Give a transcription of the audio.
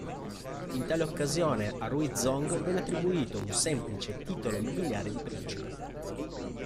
In tale occasione a Rui Zong venne attribuito un semplice titolo nobiliare di principe.